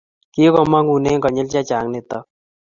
Kikomangune konyil che chang nitok